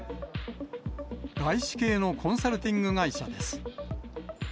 外資系のコンサルティング会社です。